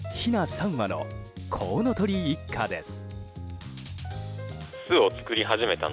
３羽のコウノトリ一家です。